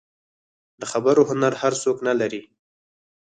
د خبرو هنر هر څوک نه لري.